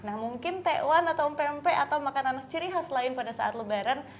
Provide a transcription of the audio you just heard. nah mungkin tewan atau empe empe atau makanan ciri khas lain pada saat lebaran